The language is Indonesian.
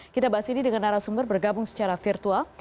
kita bahas ini dengan arah sumber bergabung secara virtual